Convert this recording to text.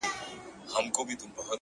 منم د قاف د شاپېريو حُسن”